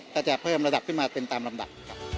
จะเพิ่มระดับขึ้นมาเป็นตามลำดับครับ